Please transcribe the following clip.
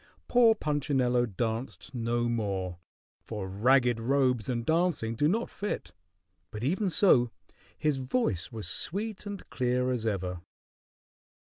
Poor Punchinello danced no more, for ragged robes and dancing do not fit; but even so, his voice was sweet and clear as ever.